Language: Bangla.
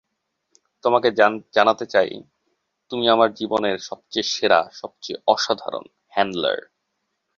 তোমাকে জানাতে চাই তুমি আমার জীবনের সবচেয়ে সেরা, সবচেয়ে অসাধারণ হ্যান্ডলার।